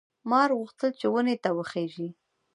مار غوښتل چې ونې ته وخېژي.